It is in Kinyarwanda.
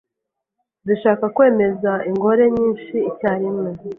zishaka kwemeza ingore nyinshi icyarimwe